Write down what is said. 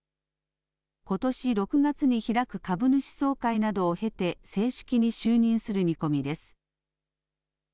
ことし６月に開く株主総会などを経て正式に就任する見込みです。